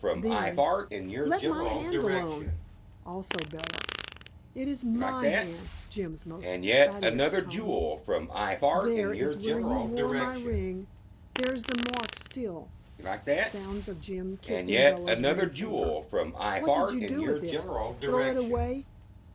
Then "Let my hand alone!" Also Bella. "It is MY hand!" Jim's most fatuous tone. "THERE is where you wore my ring. There's the mark still." Sounds of Jim kissing Bella's ring finger. "What did you do with it? Throw it away?"